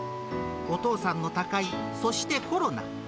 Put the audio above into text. お父さんの他界、そしてコロナ。